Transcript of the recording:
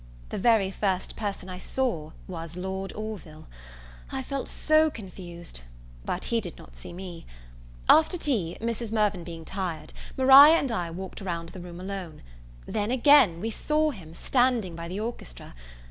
The very first person I saw was Lord Orville. I felt so confused! but he did not see me. After tea, Mrs. Mirvan being tired, Maria and I walked round the room alone. Then again we saw him, standing by the orchestra.